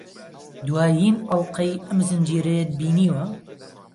دوایین ئەڵقەی ئەم زنجیرەیەت بینیوە؟